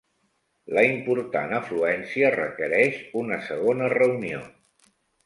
La important afluència requereix una segona reunió.